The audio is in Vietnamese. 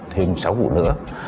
thêm sáu vụ nữa